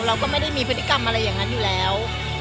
เราก็ไม่ได้มีพฤติกรรมอะไรอย่างนั้นอยู่แล้ว